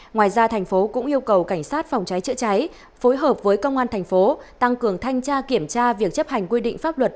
ngoài ra thành phố cũng yêu cầu cảnh sát phòng cháy chữa cháy phối hợp với công an thành phố tăng cường thanh tra kiểm tra việc chấp hành quy định pháp luật